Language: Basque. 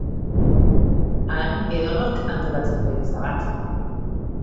Han edonork antolatzen du eliza bat.